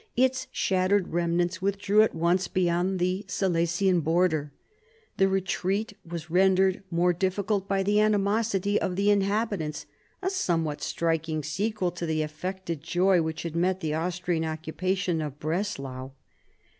Its shattered remnants withdrew at once beyond the Silesian border. The retreat was rendered more difficult by the animosity of the inhabitants, a somewhat striking sequel to the affected joy which had met the Austrian occupation of Breslau.